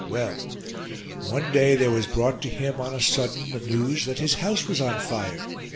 Well, one day there was brought to him on a sudden the news that his house was on fire.